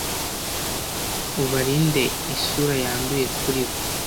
ubarinde isura yanduye kuri bo